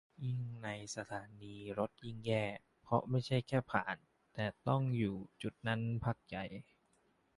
ยิ่งในสถานีรถยิ่งแย่ เพราะไม่ใช่แค่ผ่าน แต่ต้องอยู่จุดนั้นพักใหญ่